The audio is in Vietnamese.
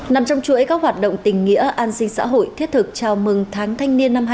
nằm trong chuỗi các hoạt động tình nghĩa an sinh xã hội thiết thực chào mừng tháng thanh niên năm hai nghìn hai mươi